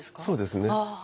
そうですね。